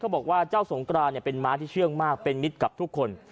บอกว่าเจ้าสงกรานเป็นม้าที่เชื่องมากเป็นมิตรกับทุกคน